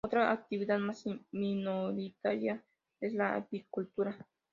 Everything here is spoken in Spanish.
Otra actividad más minoritaria es la apicultura.